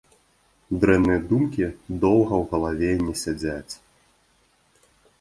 Дрэнныя думкі доўга ў галаве не сядзяць.